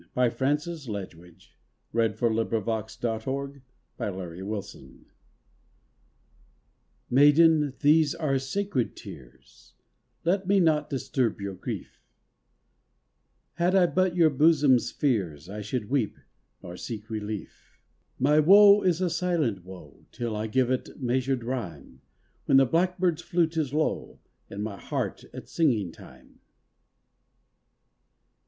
By monstrous rocks, a lonely soul. 223 TO ONE WEEPING Maiden, these are sacred tears, Let me not disturb yotlr grief ; Had I but your bosom's fears I should weep, nor seek relief. My woe is a silent woe 'Til I give it measured rhyme, When the blackbird's flute is low In my heart at singing time.